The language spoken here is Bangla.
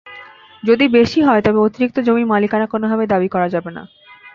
যদি বেশি হয়, তবে অতিরিক্ত জমির মালিকানা কোনোভাবেই দাবি করা যাবে না।